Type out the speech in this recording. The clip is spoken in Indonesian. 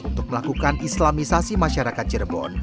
untuk melakukan islamisasi masyarakat cirebon